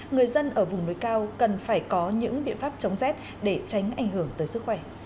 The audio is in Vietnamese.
người dân ở vùng núi cao cần phải có những biện pháp chống rét để tránh ảnh hưởng tới sức khỏe